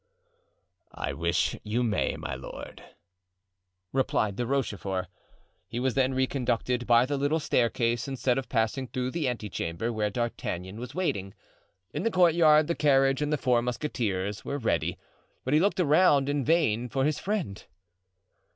"I wish you may, my lord," replied De Rochefort. He was then reconducted by the little staircase, instead of passing through the ante chamber where D'Artagnan was waiting. In the courtyard the carriage and the four musketeers were ready, but he looked around in vain for his friend.